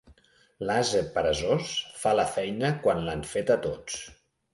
L'ase peresós fa la feina quan l'han feta tots.